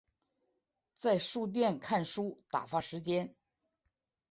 在书店看书打发时间